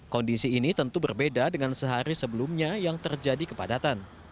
kondisi ini tentu berbeda dengan sehari sebelumnya yang terjadi kepadatan